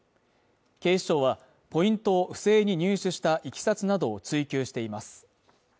警視庁は、ポイントを不正に入手した経緯などを追及しています。